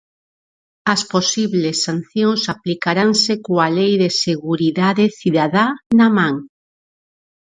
As posibles sancións aplicaranse coa Lei de seguridade cidadá na man.